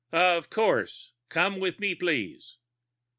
"Of course. Come with me, please."